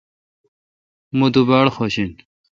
مہ تو باڑ خوش این۔